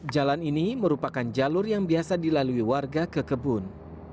jalan ini merupakan jalur yang biasa dilalui warga ke kebun